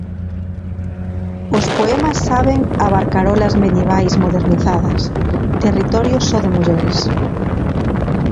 Os poemas saben a barcarolas medievais modernizadas, territorio só de mulleres.